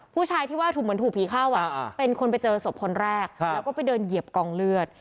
ผู้ชายที่ว่าถูกเหมือนถูกผีเข้าเป็นคนไปเจอศพคนแรกแล้วก็ไปเดินเหยียบกองเลือด